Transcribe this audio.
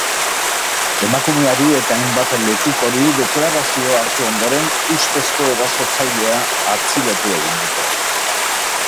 Emakumeari eta hainbat lekukori deklarazioa hartu ondoren, ustezko erasotzailea atxilotu egin dute.